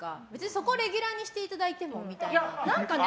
そこをレギュラーにしていただいてもみたいな。